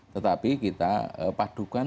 tetapi kita padukan